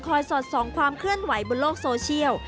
สอดส่องความเคลื่อนไหวบนโลกโซเชียล